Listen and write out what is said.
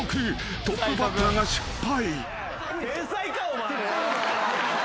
トップバッターが失敗］